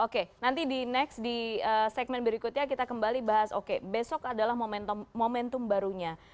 oke nanti di next di segmen berikutnya kita kembali bahas oke besok adalah momentum barunya